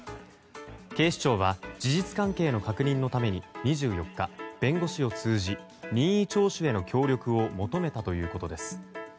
警視庁は事実関係の確認のために２４日、弁護士を通じ任意聴取への協力を求めたということです。